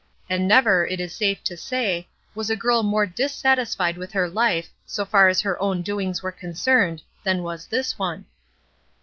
And never, it is safe to say, was a girl more dissatisfied with her life, so far as her own doings were concerned, than was this one.